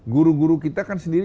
guru guru kita kan sendiri